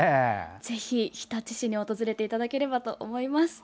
ぜひ、日立市に訪れていただければと思います。